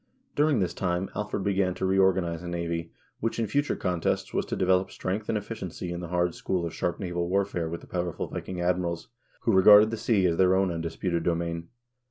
During this time Alfred began to organize a navy, which in future contests was to develop strength and efficiency in the hard school of sharp naval warfare with the powerful Viking admirals, who regarded the sea as their own undisputed domain.